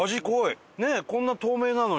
ねえこんな透明なのに。